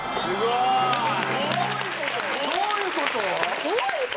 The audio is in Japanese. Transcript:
すごい。